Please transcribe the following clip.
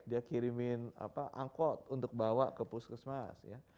dia kirimin angkot untuk bawa ke puskesmas